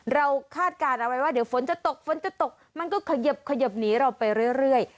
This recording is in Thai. คาดการณ์เอาไว้ว่าเดี๋ยวฝนจะตกฝนจะตกมันก็ขยิบหนีเราไปเรื่อย